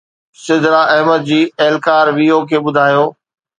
سدرا احمد، جي اهلڪار VO کي ٻڌايو